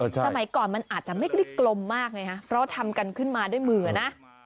สมัยก่อนมันอาจจะไม่ได้กลมมากไงฮะเพราะทำกันขึ้นมาด้วยมือนะ